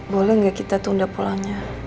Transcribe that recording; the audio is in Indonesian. boleh gak kita tunda pulangnya